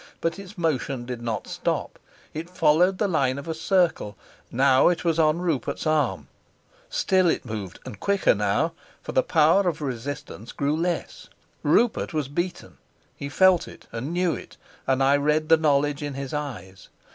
But its motion did not stop; it followed the line of a circle: now it was on Rupert's arm; still it moved, and quicker now, for the power of resistance grew less. Rupert was beaten; he felt it and knew it, and I read the knowledge in his eyes.